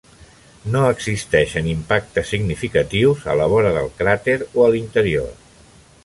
No existeixen impactes significatius a la vora del cràter o a l'interior.